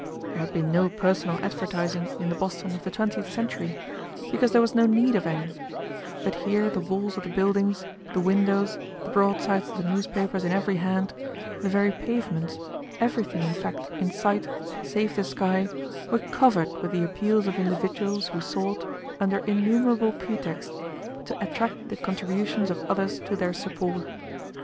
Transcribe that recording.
There had been no personal advertising in the Boston of the twentieth century, because there was no need of any, but here the walls of the buildings, the windows, the broadsides of the newspapers in every hand, the very pavements, everything in fact in sight, save the sky, were covered with the appeals of individuals who sought, under innumerable pretexts, to attract the contributions of others to their support.